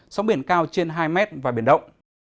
sóng biển cao trên hai mét và biển động